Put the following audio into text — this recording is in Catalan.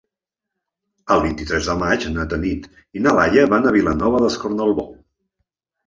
El vint-i-tres de maig na Tanit i na Laia van a Vilanova d'Escornalbou.